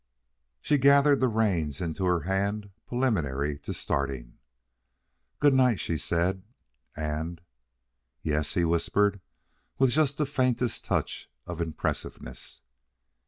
She gathered the reins into her hand preliminary to starting. "Good night," she said, "and " "Yes," he whispered, with just the faintest touch of impressiveness.